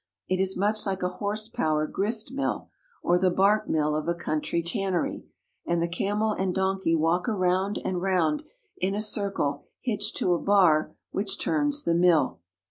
It is much like a horsepower grist mill, or the bark mill of a country tannery, and the camel and donkey walk round and round in a circle hitched to a bar which turns the mill.